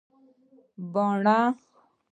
بڼونه